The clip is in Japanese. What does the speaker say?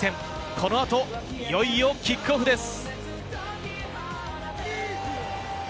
この後いよいよキックオフです。